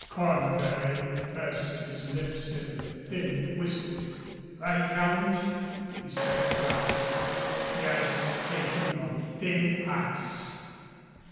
Cornbury pursed his lips in a thin whistle. "Viscount," he said, frowning, "ye're skatin' on thin ice."